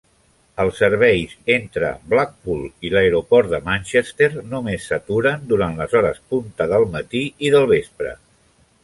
Els serveis entre Blackpool i l'aeroport de Manchester només s'aturen durant les hores punta del matí i del vespre.